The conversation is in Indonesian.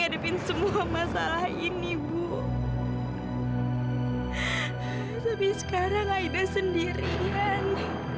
tapi sekarang aida sendirian